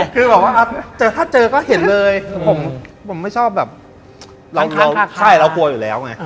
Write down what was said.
เผื่อถ้าเจอก็เห็นเลยผมไม่ชอบแบบเรากลัวอยู่แล้วไง